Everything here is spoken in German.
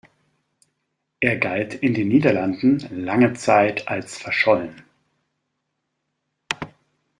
Er galt in den Niederlanden lange Zeit als verschollen.